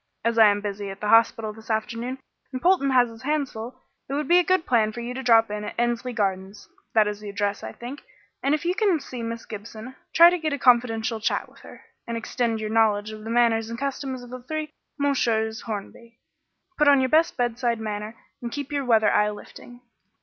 As I am busy at the hospital this afternoon and Polton has his hands full, it would be a good plan for you to drop in at Endsley Gardens that is the address, I think and if you can see Miss Gibson, try to get a confidential chat with her, and extend your knowledge of the manners and customs of the three Messieurs Hornby. Put on your best bedside manner and keep your weather eye lifting.